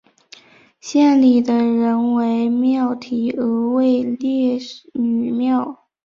县里的人为庙题额为烈女庙。